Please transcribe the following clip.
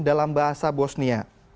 dalam bahasa bosnia